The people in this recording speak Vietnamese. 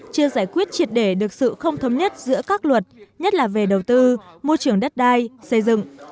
chưa giải quyết triệt để được sự không thống nhất giữa các luật nhất là về đầu tư môi trường đất đai xây dựng